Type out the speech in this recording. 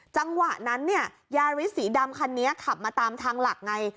จังหวะนั้นเนี่ยยาริสสีดำคันนี้ขับมาตามทางหลักไง